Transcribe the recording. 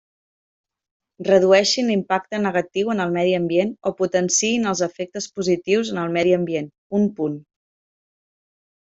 Redueixin l'impacte negatiu en el medi ambient o potenciïn els efectes positius en el medi ambient: un punt.